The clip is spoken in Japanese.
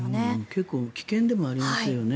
結構危険でもありますよね。